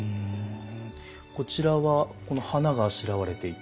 こちらはこの花があしらわれていて。